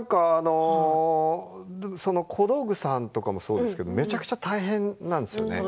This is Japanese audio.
小道具さんとかもそうですけどめちゃくちゃ大変なんですよね。